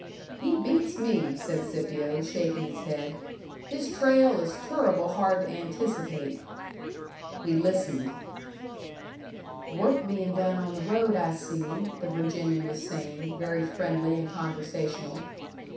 "He beats me," said Scipio, shaking his head. "His trail is turruble hard to anticipate." We listened. "Work bein' done on the road, I see," the Virginian was saying, very friendly and conversational.